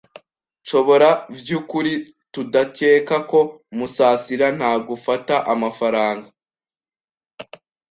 nshobora vy'ukuri tudakeka ko Musasira nta gufata amafaranga.